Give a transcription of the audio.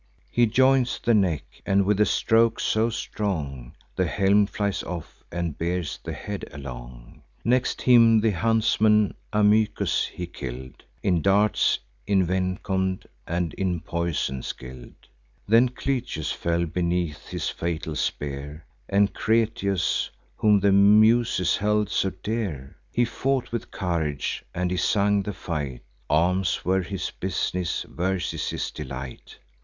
He joints the neck; and, with a stroke so strong, The helm flies off, and bears the head along. Next him, the huntsman Amycus he kill'd, In darts envenom'd and in poison skill'd. Then Clytius fell beneath his fatal spear, And Creteus, whom the Muses held so dear: He fought with courage, and he sung the fight; Arms were his bus'ness, verses his delight.